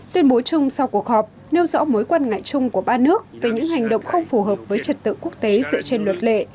tuyên bố chung sau cuộc họp nêu rõ mối quan ngại chung của ba nước về những hành động không phù hợp với trật tự quốc tế dựa trên luật lệ